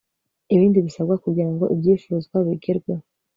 ibindi basabwa kugirango ibyifuzwa bigerweho